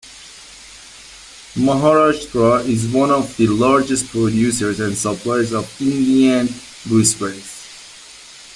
Maharashtra is one of the largest producers and suppliers of Indian gooseberries.